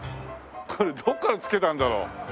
これどこから付けたんだろう？